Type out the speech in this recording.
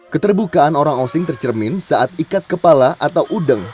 keterbukaan orang osing tercermin saat ikat kepala atau udeng